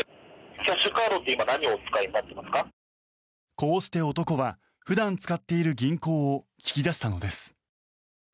こうして、男は普段使っている銀行を聞き出したのです。